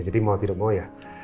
mau tidak mau ya